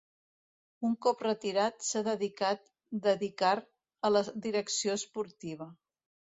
Un cop retirat s'ha dedicat dedicar a la direcció esportiva.